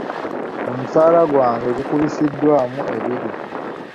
Omusaala gwange gukubisiddwamu ebiri.